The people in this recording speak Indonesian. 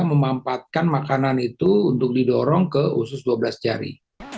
memanfaatkan makanan itu untuk didorong ke usus dua belas jari